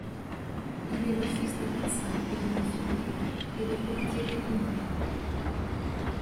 Il est le fils d'un médecin et d'une infirmière et le père d'Irène Rooney.